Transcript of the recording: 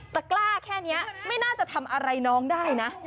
กล้าแค่นี้ไม่น่าจะทำอะไรน้องได้นะ